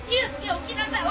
起きなさい！